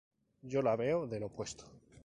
Yo la veo del opuesto.